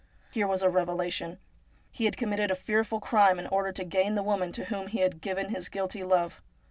Here was a revelation. He had com mitted a fearful crime in order to gain the woman to whom he had given his guilty love.